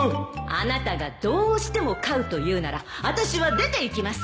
あなたがどうしても飼うというならあたしは出ていきます